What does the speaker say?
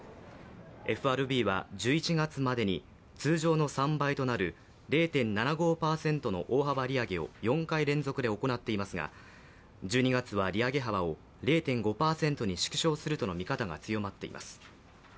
ＦＲＢは１１月までに通常の３倍となる０．７５％の大幅利上げを４回連続で行っていますが１２月は利上げ幅を０．５％に縮小するとの見方が強まっています。